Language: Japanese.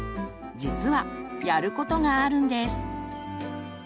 実はやることがあるんです。